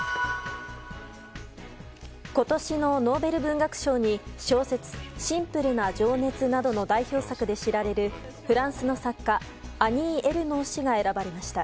今年のノーベル文学賞に小説「シンプルな情熱」などの代表作で知られるフランスの作家アニー・エルノー氏が選ばれました。